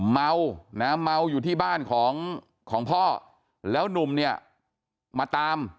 เมานะเมาอยู่ที่บ้านของของพ่อแล้วหนุ่มเนี่ยมาตาม